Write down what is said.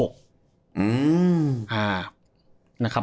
อืม